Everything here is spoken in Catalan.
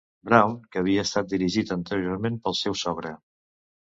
Brown, que havia estat dirigit anteriorment pel seu sogre.